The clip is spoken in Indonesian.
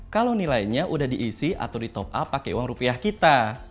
kalau nilainya udah diisi atau di top up pakai uang rupiah kita